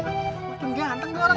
makin ganteng tuh orangnya